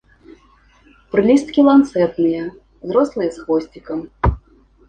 Прылісткі ланцэтныя, зрослыя з хвосцікам.